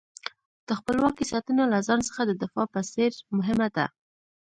د خپلواکۍ ساتنه له ځان څخه د دفاع په څېر مهمه ده.